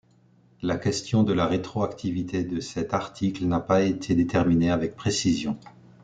La question de la rétroactivité de cet article n'a pas été déterminée avec précision.